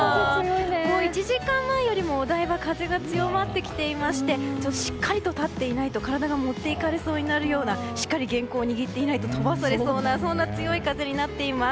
もう１時間前よりもお台場風が強まってきていましてしっかりと立っていないと、体が持っていかれそうになるようなしっかり原稿を握っていないと飛ばされそうなそんな強い風になっています。